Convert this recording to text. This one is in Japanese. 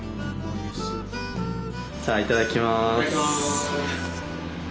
じゃあいただきます！